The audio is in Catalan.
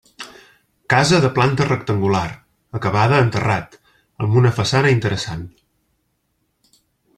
Casa de planta rectangular, acabada en terrat, amb una façana interessant.